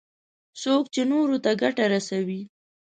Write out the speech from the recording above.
څوک چې نورو ته ګټه رسوي.